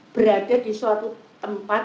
berada di suatu tempat